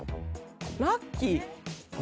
ラッキー？